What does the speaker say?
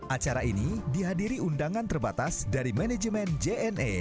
acara ini dihadiri undangan terbatas dari manajemen jna